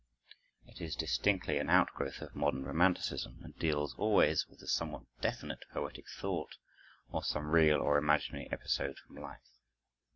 It is distinctly an outgrowth of modern romanticism and deals always with the somewhat definite poetic thought, or some real or imaginary episode from life.